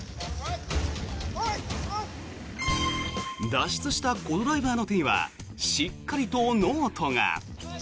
脱出したコ・ドライバーの手にはしっかりとノートが。